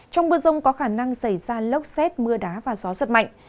trong mưa rông có khả năng xảy ra lốc xét mưa đá và gió giật mạnh